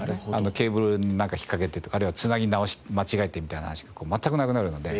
ケーブルになんか引っかけてとかあるいは繋ぎ直し間違えてみたいな話が全くなくなるので。